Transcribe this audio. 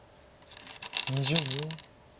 ２０秒。